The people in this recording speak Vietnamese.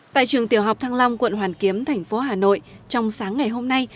tại trường tiểu học thăng long quận hoàn kiếm tp hà nội trong sáng ngày hôm nay